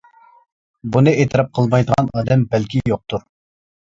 بۇنى ئېتىراپ قىلمايدىغان ئادەم بەلكى يوقتۇر.